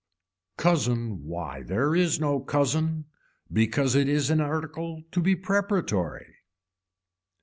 Cousin why is there no cousin, because it is an article to be preparatory.